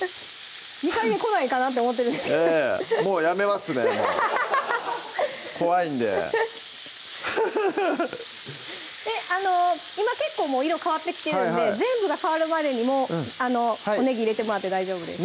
２回目来ないかなと思ってるんですけどもうやめますねもう怖いんでで今結構もう色変わってきてるんで全部が変わるまでにねぎ入れてもらって大丈夫です